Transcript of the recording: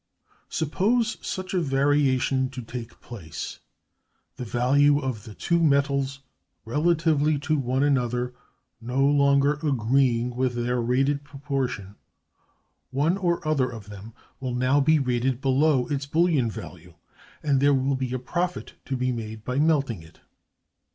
Suppose such a variation to take place—the value of the two metals relatively to one another no longer agreeing with their rated proportion—one or other of them will now be rated below its bullion value, and there will be a profit to be made by melting it.